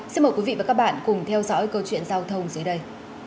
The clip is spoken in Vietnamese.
xin mời quý vị và các bạn cùng theo dõi câu chuyện giao thông dưới đây